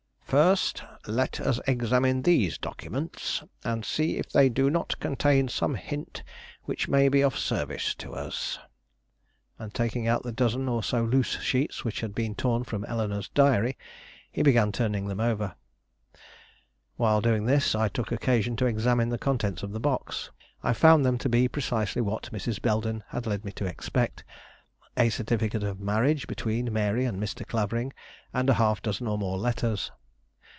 "First let us examine these documents, and see if they do not contain some hint which may be of service to us." And taking out the dozen or so loose sheets which had been torn from Eleanore's Diary, he began turning them over. While he was doing this, I took occasion to examine the contents of the box. I found them to be precisely what Mrs. Belden had led me to expect, a certificate of marriage between Mary and Mr. Clavering and a half dozen or more letters.